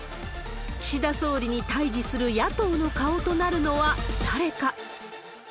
岸田総理に対じする野党の顔となるのは誰か。